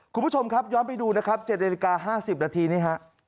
คุณผู้ชมครับย้อนไปดูนะครับ๗นาฬิกา๕๐นาทีนี่ฮะ